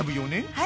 はい。